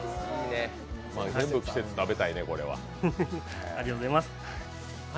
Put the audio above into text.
全部の季節食べたいね、これは。